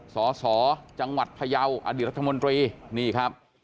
สสจังหวัดพยาวอดีตรัฐมนตรีนี่ครับ